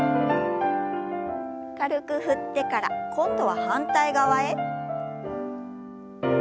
軽く振ってから今度は反対側へ。